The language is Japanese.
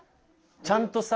ちゃんとさ